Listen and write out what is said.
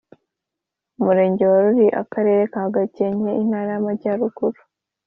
Umurenge wa Ruli Akarere ka Gakenke Intara y Amajyaruguru